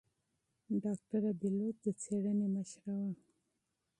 ډاکتره بېلوت د څېړنې مشرې وه.